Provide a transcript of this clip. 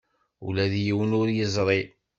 Ula d yiwen ur yeẓri.